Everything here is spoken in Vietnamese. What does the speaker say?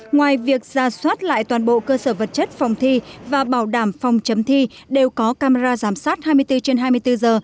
ngoài việc ra soát lại toàn bộ cơ sở vật chất phòng thi và bảo đảm phòng chấm thi đều có camera giám sát hai mươi bốn trên hai mươi bốn giờ